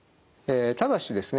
ただしですね